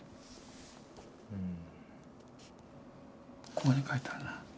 ここに書いてあるな。